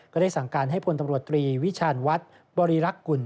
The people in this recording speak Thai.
ก็ได้สั่งการให้พลตำรวจตรีวิชาณวัฒน์บริรักษ์กุล